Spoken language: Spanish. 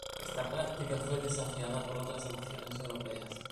Esta práctica fue desafiada por otras naciones europeas.